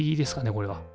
これは。